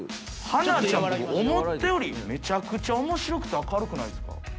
英ちゃん、思ったより、めちゃくちゃおもしろくて、明るくないですか。